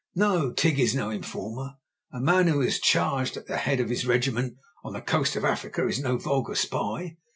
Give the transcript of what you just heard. No, Tigg is no informer; a man who has charged at the head of his regiment on the coast of Africa is no vulgar spy.